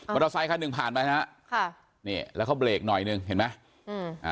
มอเตอร์ไซค่ะหนึ่งผ่านไปนะครับแล้วเขาเบรกหน่อยหนึ่งเห็นไหม